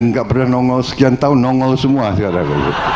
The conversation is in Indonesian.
nggak pernah nongol sekian tahun nongol semua sekarang